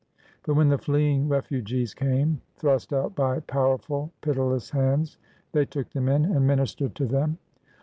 But when the fleeing refugees came, thrust out by pow erful, pitiless hands, they " took them in and ministered to them.